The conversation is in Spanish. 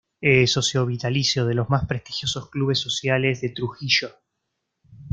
Es socio vitalicio de los más prestigiosos clubes sociales de Trujillo.